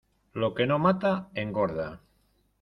Lo que no mata, engorda.